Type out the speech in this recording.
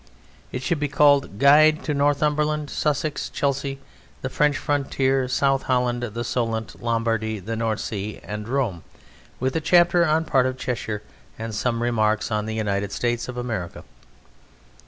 It should be called "Guide to Northumberland, Sussex, Chelsea, the French frontier, South Holland, the Solent, Lombardy, the North Sea, and Rome, with a chapter on part of Cheshire and some remarks on the United States of America."